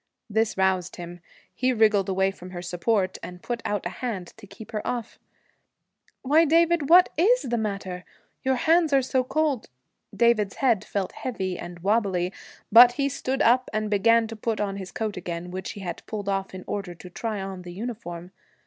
This roused him. He wriggled away from her support, and put out a hand to keep her off. 'Why, David! what is the matter? Your hands are so cold ' David's head felt heavy and wobbly, but he stood up and began to put on his coat again, which he had pulled off in order to try on the uniform.